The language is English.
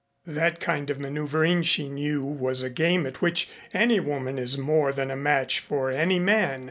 That kind of maneuvering she knew was a game at which any woman is more than a match for any man.